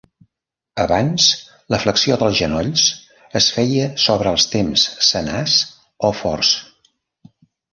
Abans, la flexió dels genolls es feia sobre els temps senars o forts.